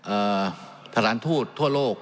เอ่อทหารทูตทั่วโลก